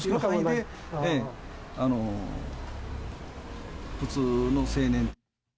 常識の範囲で、普通の青年。